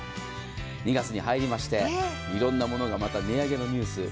２月に入りましていろんなものが値上げのニュース。